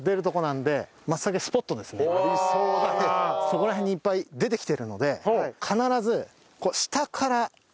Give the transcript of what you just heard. そこら辺にいっぱい出てきてるので必ず下から見る。